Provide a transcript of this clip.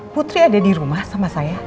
putri ada di rumah sama saya